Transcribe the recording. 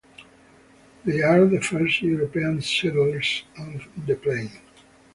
They are the first European settlers on the plains.